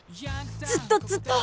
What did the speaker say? ずっとずっと。